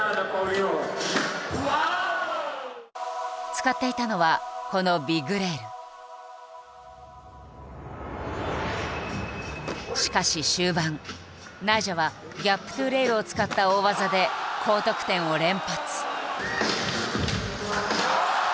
使っていたのはこのしかし終盤ナイジャは「ギャップｔｏレール」を使った大技で高得点を連発。